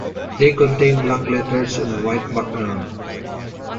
They contain black letters on a white background.